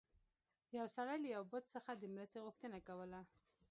یو سړي له یو بت څخه د مرستې غوښتنه کوله.